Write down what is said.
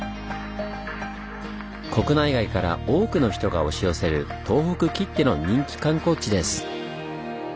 国内外から多くの人が押し寄せる東北きっての人気観光地です。